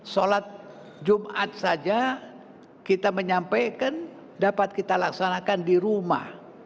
sholat jumat saja kita menyampaikan dapat kita laksanakan di rumah